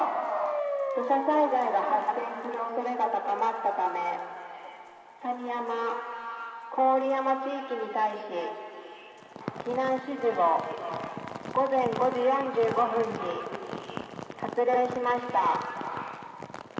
土砂災害が発生するおそれが高まったため、谷山・郡山地域に対し、避難指示を午前５時４５分に発令しました。